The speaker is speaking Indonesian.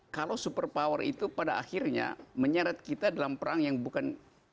kalau super power itu pada akhirnya menyeret kita dalam perang yang bukan